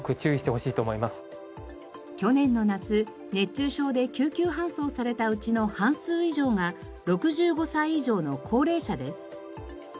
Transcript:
去年の夏熱中症で救急搬送されたうちの半数以上が６５歳以上の高齢者です。